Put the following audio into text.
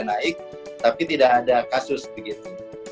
naik tapi tidak ada kasus begitu